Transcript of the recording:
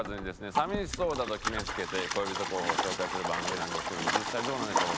寂しそうだと決めつけて恋人候補を紹介する番組なんですけども実際どうなんでしょうか？